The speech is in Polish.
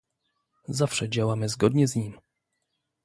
zawsze działamy zgodnie z nim